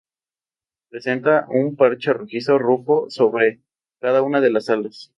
Presenta un parche rojizo rufo sobre cada una de las alas.